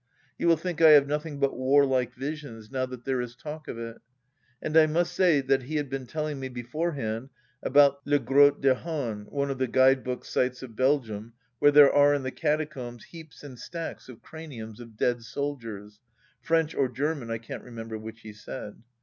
You will think I have nothing but warlike visions, now that there is talk of it. And I must say that he had been telling me beforehand about les Grottes de Han, one of the guide book sights of Belgium, where there are in the catacombs heaps and stacks of craniums of dead soldiers — ^French or German, I can't re member which he said.